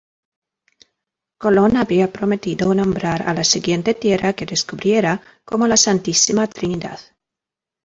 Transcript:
Colón había prometido nombrar a la siguiente tierra que descubriera como la Santísima Trinidad.